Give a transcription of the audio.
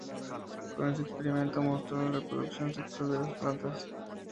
Con ese experimento, mostró la reproducción sexual de las plantas.